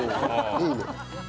いいね。